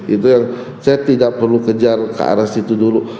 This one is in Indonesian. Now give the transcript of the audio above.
itu yang saya tidak perlu kejar ke arah situ dulu